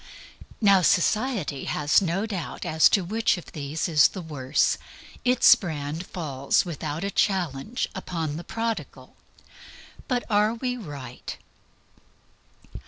Now, society has no doubt whatever as to which of these is the worse. Its brand falls, without a challenge, upon the Prodigal. But are we right?